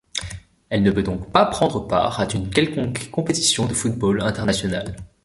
Elle ne peut donc pas prendre part à une quelconque compétition de football internationale.